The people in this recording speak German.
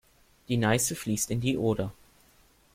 Die Neiße fließt in die Oder.